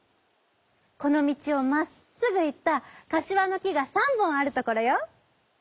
「このみちをまっすぐいったかしわのきが３ぼんあるところよ」。